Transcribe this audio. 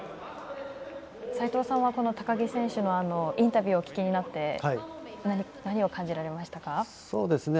齋藤さんは高木選手のインタビューをお聞きになって何を感じられましたか。